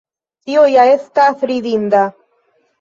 Tio ja estas ridinda!